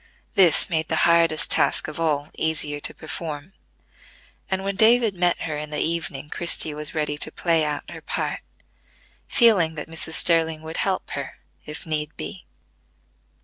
This made the hardest task of all easier to perform; and, when David met her in the evening, Christie was ready to play out her part, feeling that Mrs. Sterling would help her, if need be.